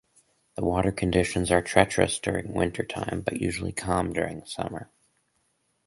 The water conditions are treacherous during winter-time, but usually calm during summer.